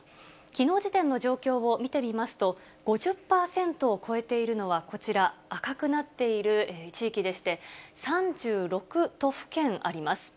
きのう時点の状況を見てみますと、５０％を超えているのはこちら、赤くなっている地域でして、３６都府県あります。